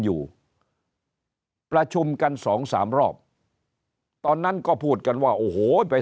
อยู่ประชุมกันสองสามรอบตอนนั้นก็พูดกันว่าโอ้โหไป